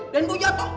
den boy jatuh